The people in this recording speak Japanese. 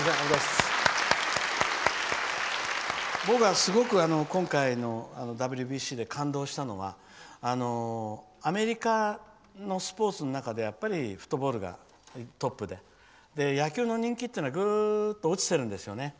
僕はすごく今回のＷＢＣで感動したのはアメリカのスポーツの中でやっぱりフットボールがトップで野球の人気は落ちてるんですよね。